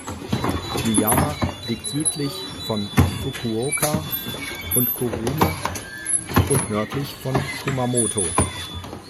Miyama liegt südlich von Fukuoka und Kurume, und nördlich von Kumamoto.